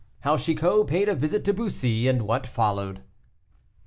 HOW CHICOT PAID A VISIT TO BUSSY, AND WHAT FOLLOWED.